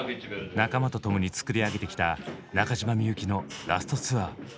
仲間と共に作り上げてきた中島みゆきのラスト・ツアー。